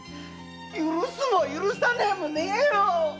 許すも許さねえもねえよ！